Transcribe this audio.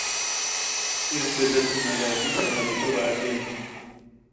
ارتدت ملابسها بسرعة.